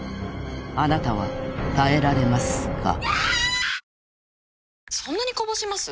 ［あなたは耐えられますか？］